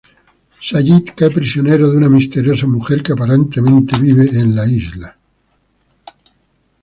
Sayid cae prisionero de una misteriosa mujer que aparentemente vive en la Isla.